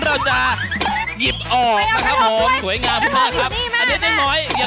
เอากระทงมาเพิ่มค่ะ